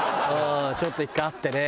ちょっと１回会ってね。